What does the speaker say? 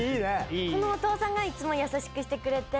ここのお父さんがいつも優しくしてくれて。